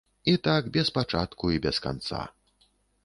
І так без пачатку і без канца.